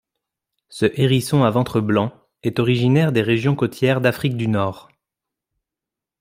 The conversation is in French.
Ce hérisson à ventre blanc est originaire des régions côtières d'Afrique du nord.